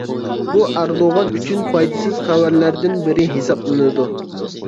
بۇ ئەردوغان ئۈچۈن پايدىسىز خەۋەرلەردىن بىرى ھېسابلىنىدۇ.